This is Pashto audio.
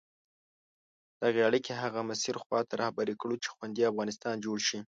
دغه اړیکي هغه مسیر خواته رهبري کړو چې خوندي افغانستان جوړ شي.